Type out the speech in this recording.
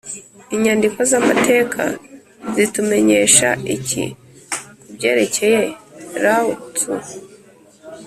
inyandiko z’amateka” zitumenyesha iki ku byerekeye lao-tzu?